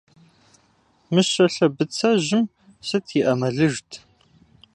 Мыщэ лъэбыцэжьым сыт и Ӏэмалыжт?